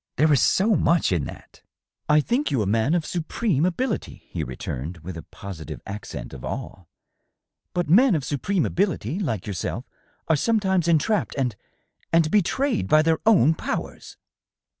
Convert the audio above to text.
There is so much in that !"" I think you a man of supreme ability," he returned, with a posi tive accent of awe. " But men of supreme ability, like yourself, are sometimes entrapped and .. and betrayed by their own powers."